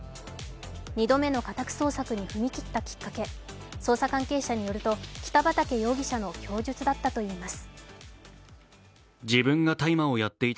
２度目の家宅捜索に踏み切ったきっかけ捜査関係者によりますと北畠容疑者の供述だったといいます。